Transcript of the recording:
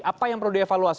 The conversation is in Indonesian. apa yang perlu dievaluasi